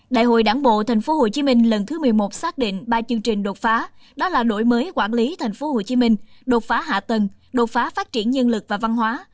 đại hội đảng bộ tp hcm lần thứ một mươi một xác định ba chương trình đột phá đó là đổi mới quản lý tp hcm đột phá hạ tầng đột phá phát triển nhân lực và văn hóa